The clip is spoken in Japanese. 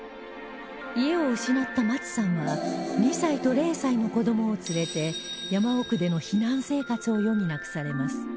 家を失ったマツさんは２歳と０歳の子どもを連れて山奥での避難生活を余儀なくされます